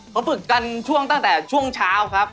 เขาฝึกกันช่วงตั้งแต่ช่วงเช้าครับ